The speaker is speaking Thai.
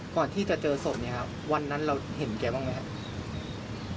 ก่อนที่จะเจอศพเนี่ยครับวันนั้นเราเห็นแกบ้างไหมครับ